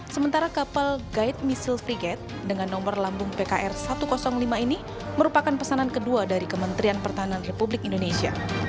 sementara kapal guide misil frigate dengan nomor lambung pkr satu ratus lima ini merupakan pesanan kedua dari kementerian pertahanan republik indonesia